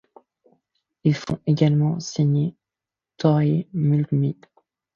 Ils font également signer Troy Murphy.